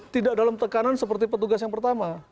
tidak dalam tekanan seperti petugas yang pertama